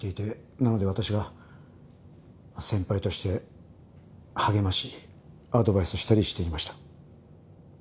なので私が先輩として励ましアドバイスしたりしていました。